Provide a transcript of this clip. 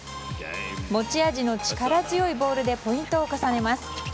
持ち味の力強いボールでポイントを重ねます。